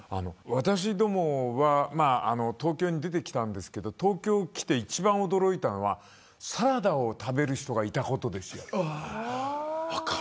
私どもは東京に出てきましたけど東京に来て一番驚いたのはサラダを食べる人がいたことです。